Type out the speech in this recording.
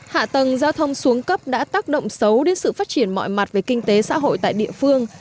hạ tầng giao thông xuống cấp đã tác động xấu đến sự phát triển mọi mặt về kinh tế xã hội tại địa phương